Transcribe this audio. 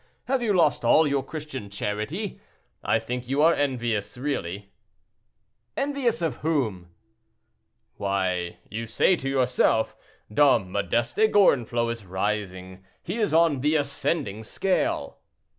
Have you lost all your Christian charity? I think you are envious, really." "Envious! of whom?" "Why, you say to yourself, Dom Modeste Gorenflot is rising—he is on the ascending scale."